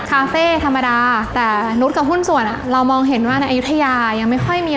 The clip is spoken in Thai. คาเฟ่ธรรมดาแต่นุษย์กับหุ้นส่วนอ่ะเรามองเห็นว่าในอายุทยายังไม่ค่อยมี